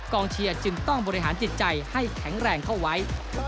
เชียร์จึงต้องบริหารจิตใจให้แข็งแรงเข้าไว้